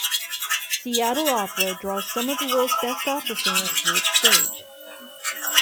Seattle Opera draws some of the world's best opera singers to its stage.